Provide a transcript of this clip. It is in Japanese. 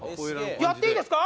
やっていいですか？